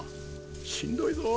しんどいぞ。